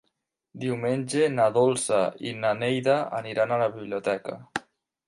Diumenge na Dolça i na Neida aniran a la biblioteca.